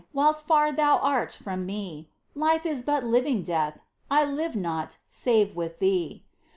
Whilst far Thou art from me ; Life is but living death, I live not, save with Thee.